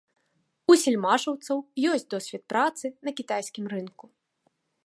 У сельмашаўцаў ёсць досвед працы на кітайскім рынку.